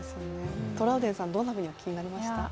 トラウデンさん、どういうふうにお聞きになりましたか？